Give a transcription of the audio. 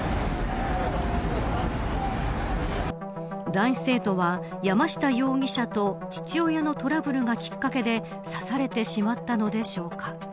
男子生徒は、山下容疑者と父親のトラブルがきっかけで刺されてしまったのでしょうか。